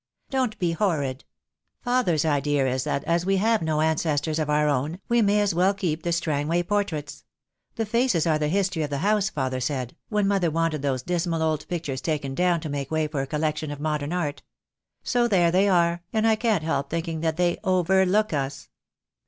"Don't be horrid. Father's idea is that as we have no ancestors of our own, we may as well keep the Strangway portraits. The faces are the history of the house, father said, when mother wanted those dismal old pictures taken down to make way for a collection of modern art. So there they are, and I can't help thinking that they overlook us."